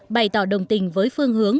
bày tỏ đồng tình với phương hướng